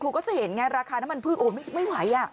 ก็จะเห็นไงราคาน้ำมันพืชโอ้ไม่ไหว